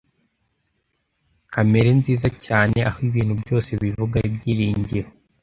Kamere nziza cyane aho ibintu byose bivuga ibyiringiro